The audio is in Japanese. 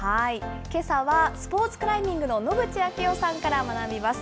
けさは、スポーツクライミングの野口啓代さんから学びます。